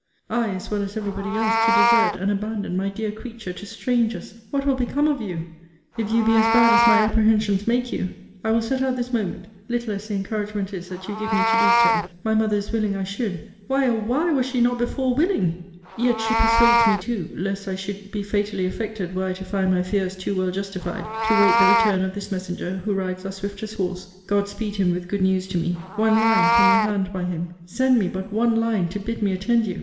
I, as well as every body else, to desert and abandon my dear creature to strangers! What will become of you, if you be as bad as my apprehensions make you! I will set out this moment, little as the encouragement is that you give me to do so! My mother is willing I should! Why, O why was she not before willing? Yet she persuades me too, (lest I should be fatally affected were I to find my fears too well justified,) to wait the return of this messenger, who rides our swiftest horse. God speed him with good news to me One line from your hand by him! Send me but one line to bid me attend you!